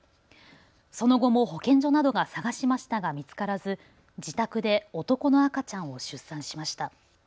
その後も保健所などが探しましたが見つからず自宅で男の赤ちゃんを出産しました。